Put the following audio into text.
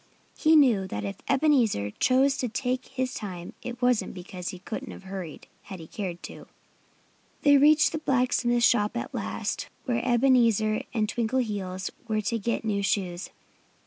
He knew that if Ebenezer chose to take his time it wasn't because he couldn't have hurried had he cared to. They reached the blacksmith shop at last, where Ebenezer and Twinkleheels were to get new shoes.